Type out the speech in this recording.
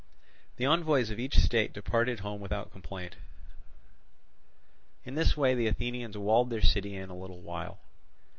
The envoys of each state departed home without complaint. In this way the Athenians walled their city in a little while.